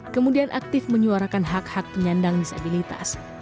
kemudian aktif menyuarakan hak hak penyandang disabilitas